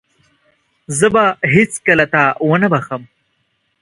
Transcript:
زه به هيڅکله تا ونه بخښم.